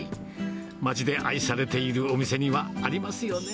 町で愛されているお店には、ありますよね。